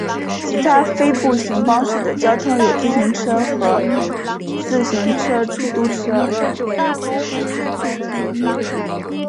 其他非步行方式的交通有自行车和自行车出租车。